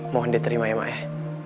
mohon dia terima ya ma'eh